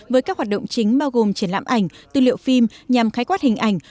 với các hoạt động chính bao gồm triển lãm ảnh tư liệu phim nhằm khái quát hình ảnh